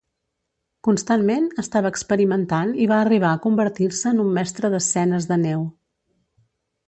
Constantment estava experimentant i va arribar a convertir-se en un mestre d'escenes de neu.